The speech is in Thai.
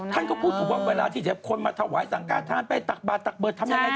ท่านก็พูดถูกว่าเวลาที่เจ็บคนมาถวายสั่งการท้านไปตักบาทตักเบอร์ทำอะไรกัน